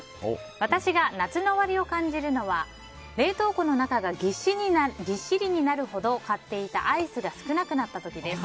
私が夏の終わりを感じるのは冷凍庫の中がぎっしりになるほど買っていたアイスが少なくなった時です。